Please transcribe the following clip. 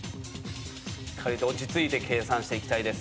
しっかりと落ち着いて計算していきたいです。